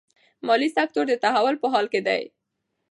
مالي سکتور د تحول په حال کې دی.